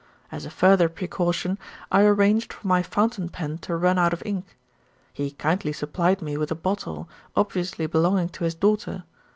As a further precaution, I arranged for my fountain pen to run out of ink. He kindly supplied me with a bottle, obviously belonging to his daughter.